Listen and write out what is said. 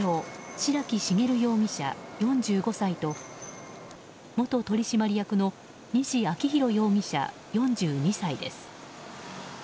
白木茂容疑者、４５歳と元取締役の西昭洋容疑者、４２歳です。